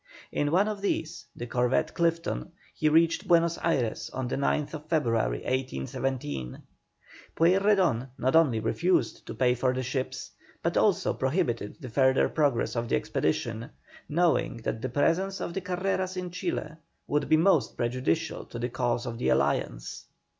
In one of these, the corvette Clifton, he reached Buenos Ayres on the 9th February, 1817. Pueyrredon not only refused to pay for the ships, but also prohibited the further progress of the expedition, knowing that the presence of the Carreras in Chile would be most prejudicial to the cause of the alliance.